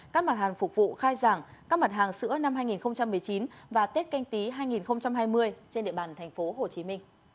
các mặt hàng phục vụ khai giảng các mặt hàng sữa năm hai nghìn một mươi chín và tết canh tí hai nghìn hai mươi trên địa bàn tp hcm